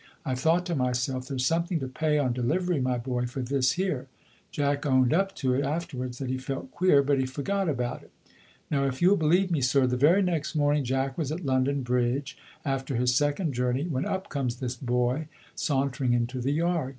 I thought to myself, 'There's something to pay on delivery, my boy, for this here.' Jack owned up to it afterwards that he felt queer, but he forgot about it. Now, if you'll believe me, sir, the very next morning Jack was at London Bridge after his second journey, when up comes this boy, sauntering into the yard.